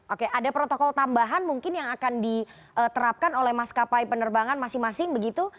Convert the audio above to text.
oke ada protokol tambahan mungkin yang akan diterapkan oleh maskapai penerbangan masing masing begitu